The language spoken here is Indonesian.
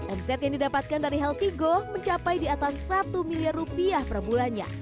omset yang didapatkan dari healthy go mencapai di atas satu miliar rupiah per bulannya